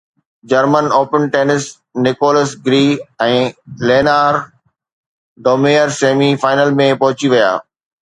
German Open tennis Nicolas گري ۽ Leonardo Mayer semi final ۾ پهچي ويا